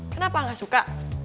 kenapa gak suka